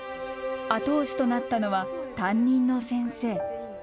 後押しとなったのは担任の先生。